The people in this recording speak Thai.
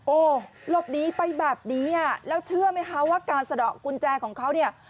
โอ้โหหลบหนีไปแบบนี้อ่ะแล้วเชื่อไหมคะว่าการสะดอกกุญแจของเขาเนี่ย